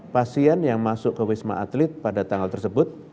pasien yang masuk ke wisma atlet pada tanggal tersebut